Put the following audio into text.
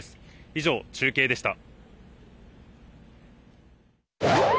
以上、中継でした。